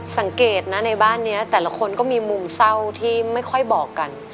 สังเกตนะในบ้านนี้แต่ละคนก็มีมุมเศร้าที่ไม่ค่อยบอกกัน